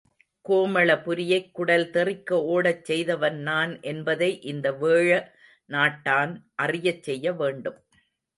கோமளபுரியைக் குடல் தெறிக்க ஓடச் செய்தவன் நான் என்பதை இந்த வேழ நாட்டான் அறியச் செய்ய வேண்டும்.